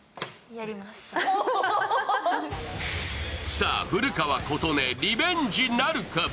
さあ古川琴音、リベンジなるか。